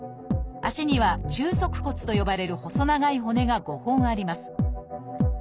足には中足骨と呼ばれる細長い骨が５本あります。